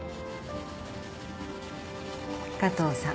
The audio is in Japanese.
加藤さん。